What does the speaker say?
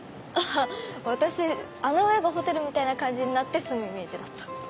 私あの上がホテルみたいな感じになって住むイメージだった。